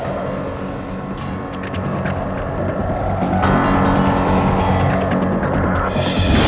bukanlah yang saya inginkan